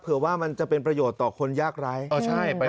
ว่ามันจะเป็นประโยชน์ต่อคนยากร้าย